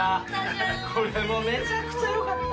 これもめちゃくちゃ良かった。